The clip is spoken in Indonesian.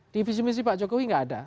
di visi misi pak jokowi nggak ada